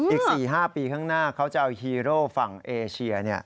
อีก๔๕ปีข้างหน้าเขาจะเอาฮีโร่ฝั่งเอเชีย